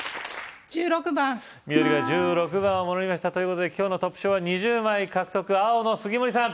１６番緑が１６番をものにしたということで今日のトップ賞は２０枚獲得青の杉森さん